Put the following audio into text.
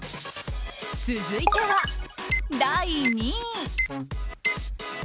続いては、第２位。